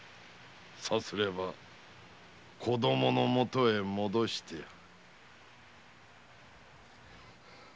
さすれば子供のもとへ戻してやる。